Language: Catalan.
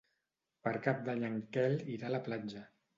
Per Cap d'Any en Quel irà a la platja.